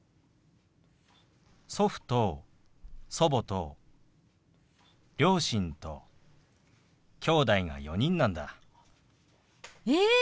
祖父と祖母と両親ときょうだいが４人なんだ。え！